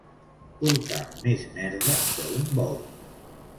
Portar més merda que un bou.